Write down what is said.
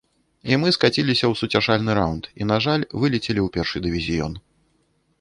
І мы скаціліся ў суцяшальны раўнд і, на жаль, вылецелі ў першы дывізіён.